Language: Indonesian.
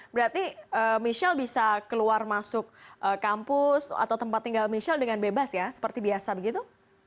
berarti michelle bisa keluar masuk kampus atau tempat tinggal michelle dengan bebas ya seperti biasa begitu